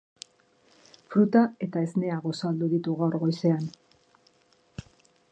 Fruta eta esnea gosaldu ditu gaur goizean.